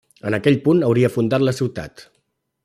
En aquell punt hauria fundat la ciutat.